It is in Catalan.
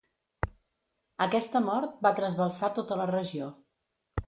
Aquesta mort va trasbalsar tota la regió.